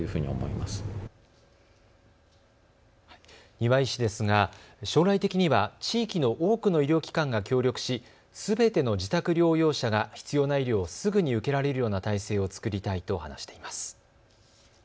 丹羽医師ですが将来的には地域の多くの医療機関が協力しすべての自宅療養者が必要な医療をすぐに受けられるような体制を作りたいと話しています。